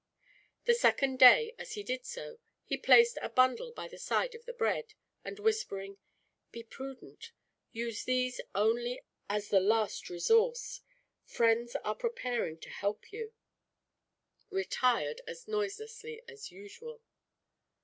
The second day, as he did so, he placed a bundle by the side of the bread, and whispering, "Be prudent. Use these only as the last resource. Friends are preparing to help you," retired as noiselessly as usual.